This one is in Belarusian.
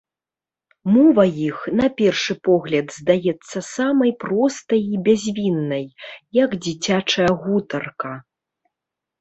Мова іх на першы погляд здаецца самай простай і бязвіннай, як дзіцячая гутарка.